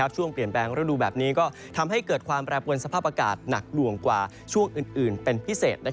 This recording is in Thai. ช่วงเปลี่ยนแปลงฤดูแบบนี้ก็ทำให้เกิดความแปรปวนสภาพอากาศหนักหน่วงกว่าช่วงอื่นเป็นพิเศษ